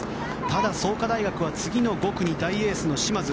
ただ、創価大学は次の５区に大エースの嶋津。